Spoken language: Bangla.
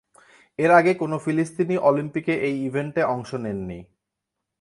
এর আগে কোনো ফিলিস্তিনি অলিম্পিকে এই ইভেন্টে অংশ নেননি।